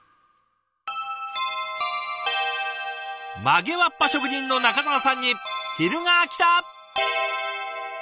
曲げわっぱ職人の仲澤さんに昼がきた。